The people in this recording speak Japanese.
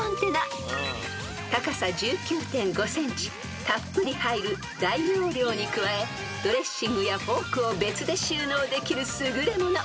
［高さ１９．５ｃｍたっぷり入る大容量に加えドレッシングやフォークを別で収納できる優れ物］